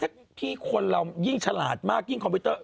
ถ้าพี่คนเรายิ่งฉลาดมากยิ่งคอมพิวเตอร์